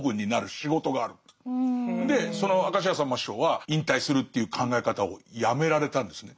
でその明石家さんま師匠は引退するっていう考え方をやめられたんですね。